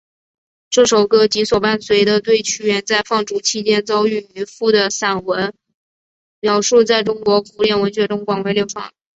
这首歌及所伴随的对屈原在放逐期间遭遇渔父的散文描述在中国古典文学中广为流传。